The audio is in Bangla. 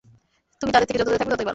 তুমি তাদের থেকে যত দূরে থাকবে ততই ভাল।